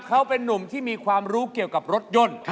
เขาเป็นนุ่มที่มีความรู้เกี่ยวกับรถยนต์